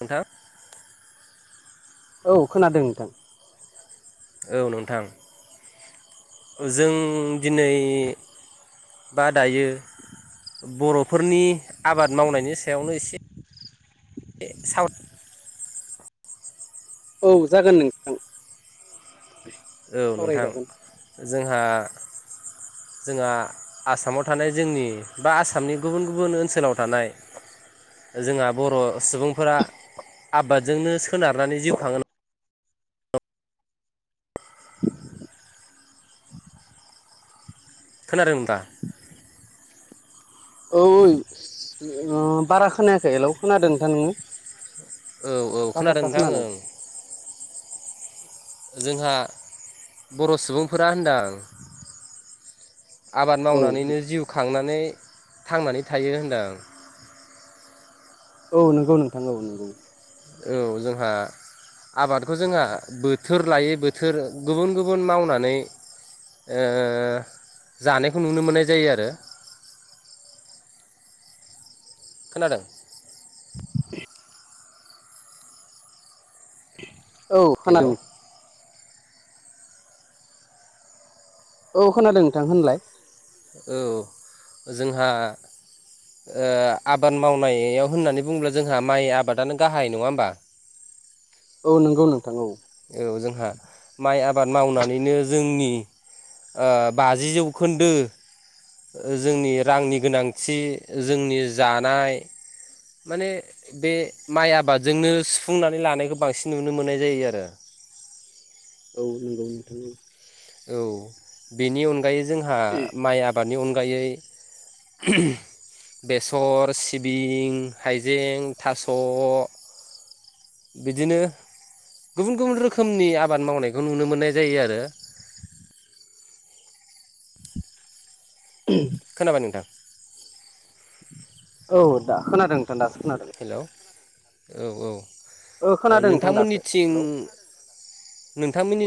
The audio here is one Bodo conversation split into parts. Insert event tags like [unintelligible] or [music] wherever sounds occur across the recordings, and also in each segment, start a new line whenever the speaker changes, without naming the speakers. नोंथां
औ खोनादों नोंथां।
औ नोंथां जों दिनै बा दायो बर'फोरनि आबाद मावनायनि सायावनो एसे बे साव
औ जागोन नोंथां।
औ नोंथां
सावरायजागोन।
जोंहा जोंहा आसामाव थानाय जोंनि बा आसामनि गुबुन गुबुन ओनसोलाव थानाय जोंहा बर' सुबुंफोरा आबादजोंनो सोनारनानै जिउ खाङो खोनादोंबा
औ उन ओ बारा खोनायाखै हेल' खोनादों नोंथां नोङो?
औ औ
थाबथा थाबथा
नोंथां
खोनादों।
ओं जोंहा बर' सुबुंफोरा होनदां। आबाद
औ
मावनानैनो जिउ खांनानै थांनानै थायो होनदां।
औ नोंगौ नोंथां औ नोंगौ।
औ जोंहा आबादखौ जोंहा बोथोर लायै बोथोर गुबुन गुबुन मावनानै जानायखौ नुनो मोननाय जायो आरो। खोनादों?
[inaudible] औ खोना। औ खोनादों नोंथां होनलाय।
औ जोंहा ओ आबाद मावनायाव होननानै बुङोब्ला जोंहा माइ आबादानो गाहाय नङा होमबा?
औ नंगौ नोंथां औ।
औ जोंहा माइ आबाद मावनानैनो जोंनि ओ बाजि जौखोन्दो ओ जोंनि रांनि गोनांथि जोंनि जानाय माने बे माइ आबादजोंनो सुफुंनानै लानायखौ बांसिन नुनो मोननाय जायो आरो। [inaudible]
औ नंगौ नोंथां।
औ बेनि अनगायै जोंहा माइ आबादनि अनगायै बेसर, सिबिं, हाइजें, थास' बिदिनो गुबुन गुबुन रोखोमनि आबाद मावनायखौ नुनो मोननाय जायो आरो।
[unintelligible]
खोनाबाय नोंथां?
औ दा खोनादों नोंथां दासो खोनादों।
हेल' औ
ओ
औ
खोनादों नोंथां दासो
नोंथांमोनिथिं
हेलौ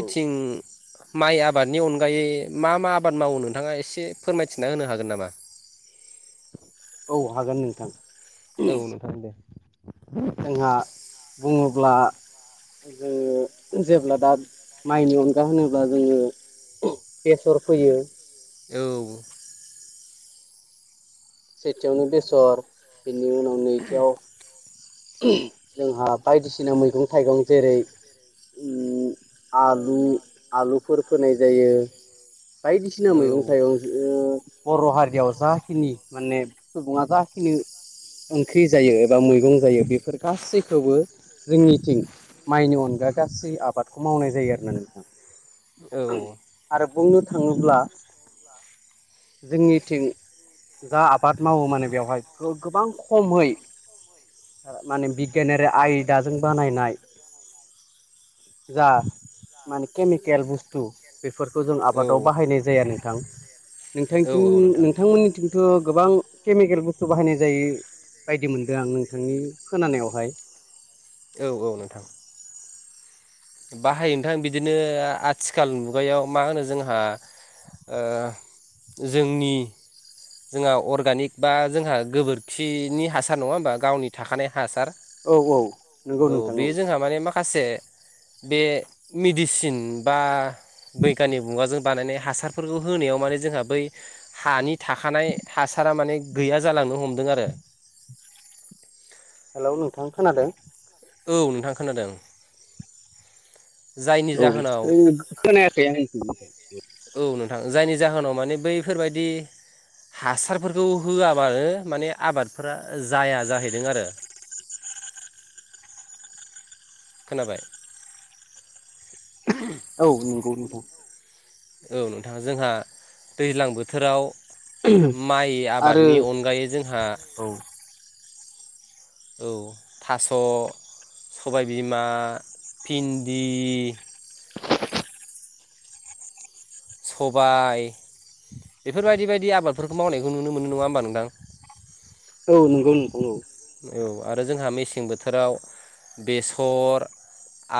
औ।
माइ आबादनि अनगायै मा मा आबाद मावो नोंथाङा एसे फोरमायथिना होनो हागोन नामा?
औ हागोन नोंथां।
औ नोंथां दे।
जोंहा बुङोब्ला जोङो जेब्ला दा माइनि अनगा होनोब्ला जोङो बेसर फोयो,
औ।
सेथियावनो बेसर बेनि उनाव नैथियाव जोंहा बायदिसिना मैगं थाइगं जेरै आलु- आलुफोर फोनाय जायो। बायदिसिना मैगं थाइगं बर' हारियाव जाखिनि माने सुबुङा जाखिनि ओंख्रि जायो एबा मैगं जायो बेफोर गासैखौबो जोंनिथिं माइनि अनगा गासै आबादखौ मावनाय जायो आरो ना नोंथां।
औ।
आरो बुंनो थाङोब्ला जोंनिथिं जा आबाद मावो माने बेवहाय गोबां खमै माने बिगियानारि आयदाजों बानायनाय जा माने केमिकेल बुस्थु बेफोरखौ जों
औ
आबादाव बाहायनाय जाया नोंथां
औ
नोंथांथिं
औ नोंथां
नोंथांमोनिथिं थ' गोबां केमिकेल बुस्थु बाहायनाय जायै बायदि मोनदों आं नोंथांनि खोनानायावहाय।
औ औ नोंथां। बाहायो नोंथां बिदिनो आथिखाल मुगायाव मा होनो जोंहा ओ जोंनि जोंहा अर्गानिक बा जोंहा गोबोरखिनि हासार नङा होमबा गावनि थाखानाय हासार
औ औ नंगौ
औ
नोंथां
बे जोंहा माने माखासे बे मेडिसिन बा बैगानिक मुगाजों बानायनाय हासारफोरखौ होनायाव माने जोंहा बै हानि थाखानाय हासारा माने गैया जालांनो हमदों आरो
हेलौ नोंथां, खोनादों?
औ नोंथां खोनादों। जायनि
औ
जाहोनाव
नोंनि खौ खोनायाखै आङो।
औ नोंथां जायनि जाहोनाव माने बैफोरबायदि हासारफोरखौ होआबानो माने आबादफोरा जाया जाहैदों आरो। खोनाबाय [unintelligible]
औ नंगौ नोगौ।
औ नोंथा जोंहा दैज्लां बोथोराव माइ
आरो
आबादनि अनगायै जोंहा औ थास' सबायबिमा, फिन्दि सबाय बेफोरबायदि बायदि आबादफोरखौ मावनायखौ नुनो मोनो। नङा होमबा नोंथां?
औ नंगौ नंगौ औ।
औ आरो जोंहा मेसें बोथोराव बेसर,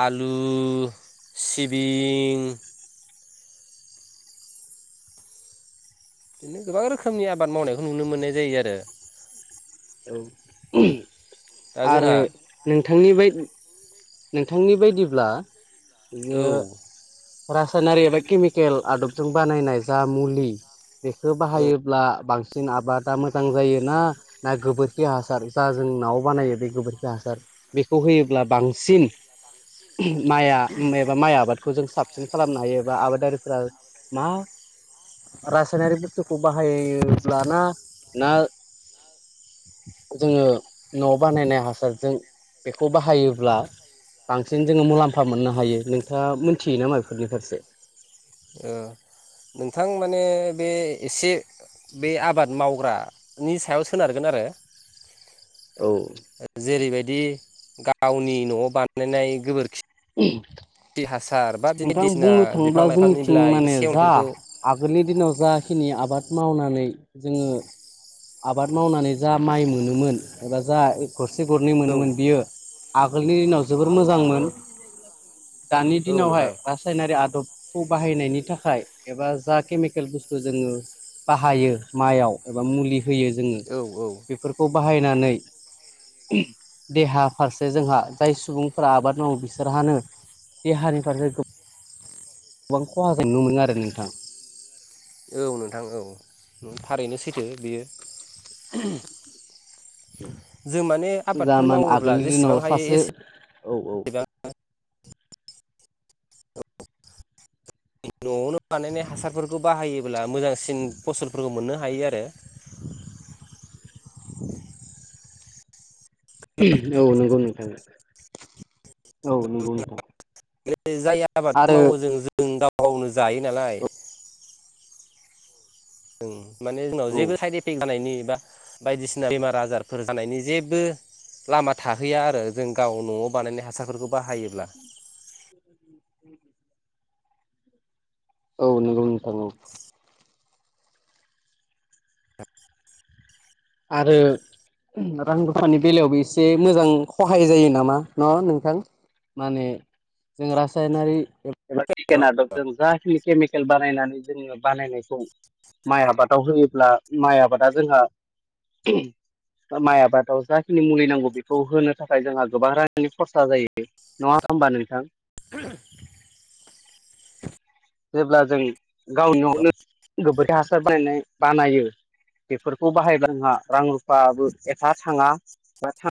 आलु, सिबिं गोबां रोखोमनि आबाद मावनायखौ नुनो मोननाय जायो आरो।
औ
दा
आरो
जोंहा
नोंथांनि बै नोंथांनि बायदिब्ला
औ
बियो
औ
रासायनारि एबा केमिकेल आदबजों बानायनाय जा मुलि बेखौ
ओ
बाहायोब्ला बांसिन आबादा मोजां जायोना ना गोबोरखि हासार जा जों न'आव बानायो बे गोबोरखि हासार बेखौ होयोब्ला बां सिन माइआ एबा माइ आबादखौ जों साबसिन खालामनो हायो एबा आबादारिफोरा मा? रासायनारिक बुस्थुखौ बाहायोब्लाना ना जोङो न' बानायनाय हासारजों बेखौ बाहायोब्ला बांसिन जोङो मुलाम्फा मोननो हायो नोंथाङा मोनथियो‌ नामा बेफोरनि फारसे?
ओ नोंथां माने बे एसे बे आबाद मावग्रानि सायाव सोनारगोन आरो
औ
जेरैबायदि गावनि न'आव बानायनाय गोबोरखि हासार बा
नोंथां
बायदिसिना
बुंनो
बिफां
थाङोब्ला
लाइफांनि
जोंनिथिं
बिलाइ
माने जा
सेवनायफोरखौ
आगोलनि दिनाव जाखिनि आबाद मावनानै जोङो आबाद मावनानै जा माइ मोनोमोन एबा जा गरसे गरनै
औ
मोनोमोन बियो आगोलनि दिनाव जोबोर मोजांमोन दानि
औ
दिनावहाय
नोंथां
रासायनारि आदबखौ बाहायनायनि थाखाय एबा जा केमिकेल बुस्थु जोङो बाहायो माइयाव एबा मुलि होयो जोङो
औ औ
बे फोरखौ बाहायनानै देहा फारसे जोंहा जाय सुबुंफोरा आबाद औ बिसोरहानो देहानि फारसे गोबां खहा जानाय नुनो मोनो आरो नोंथां।
औ नोंथां औ थारैनो सैथो बेयो। जों माने आबादफोर
जामोन
मावोब्ला
आगोलनि दिनाव
जेसेबां हायो
सासे
एसे
औ औ
न'आवनो बानायनाय हासारफोरखौ बाहायोब्ला मोजांसिन फसलफोरखौ मोननो हायो आरो।
औ नंगौ नोंथा औ नंगौ नोंथां।
जाय आबादखौ
आरो
मावो जों जों गाव गावनो जायो नालाय। ओं माने जोंनाव
औ
जेबो साइड इफेक्ट जानायनि बा बायदिसिना बेमार आजारफोर जानायनि जेबो लामा थाहैया आरो जों गाव न'आव बानायनाय हासारफोरखौ बाहायोब्ला।
औ नंगौ नोंथां औ।
[inaudible]
आरो रां रुफानि बेलायावबो एसे मोजां खहाय जायो नामा। ना नोंथां माने जों रासायनारि एबा बिगियान आदजों जाखिनि केमिकेल बानायनानै जोङो बानायनायखौ माइ आबादाव होयोब्ला माइ आबादा जोंहा
[inaudible]
माइ आबादाव जाखिनि मुलि नांगौ बेखौ होनो थाखाय जोंहा गोबां रांनि खरसा जायो नङा होमबा नोंथां?
ओम
जेब्ला जों गावनियावनो गोबोरखि हासार बानायनाय बानायो बेफोरखौ बाहायब्ला आंहा रां रुफाबो एफा थाङा बा थाङ